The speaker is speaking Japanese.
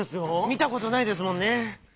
みたことないですもんね。